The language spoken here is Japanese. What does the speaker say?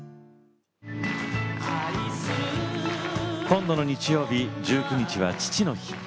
今度の日曜日、１９日は父の日。